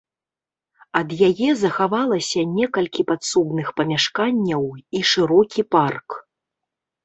Ад яе захавалася некалькі падсобных памяшканняў і шырокі парк.